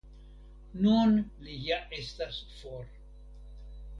Nun li ja estas for.